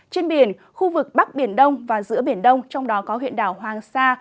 trên biển khu vực bắc biển đông và giữa biển đông trong đó có huyện đảo hoàng sa